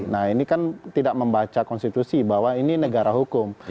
nah ini kan tidak membaca konstitusi bahwa ini negara hukum